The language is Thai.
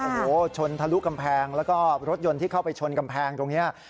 โอ้โหชนทะลุกำแพงแล้วก็รถยนต์ที่เข้าไปชนกำแพงตรงนี้